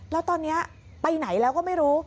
แล้วตอนนี้ไปไหนแล้วก็ไม่รู้